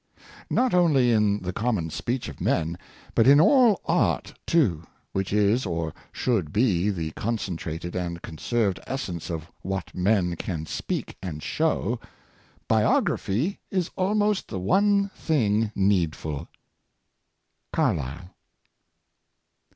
'* Not only in the common speech of men, but in all art too — which is or should be the concentrated and conserved essence of what men can speak and show — Biography is almost the one thing needful." — Carlyle.